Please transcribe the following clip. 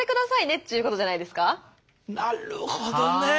なるほどね。